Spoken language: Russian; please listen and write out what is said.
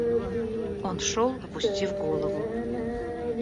Он шел, опустив голову.